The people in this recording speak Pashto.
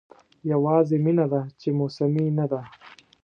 یوازې مینه ده چې موسمي نه ده.